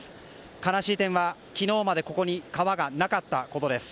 悲しい点は、昨日までここに川がなかったことです。